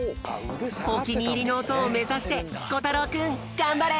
おきにいりのおとをめざしてこたろうくんがんばれ！